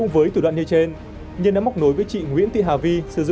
với tiêu chí nhanh gọn và chi phí vừa đủ